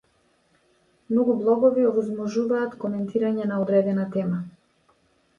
Многу блогови овозможуваат коментирање на одредена тема.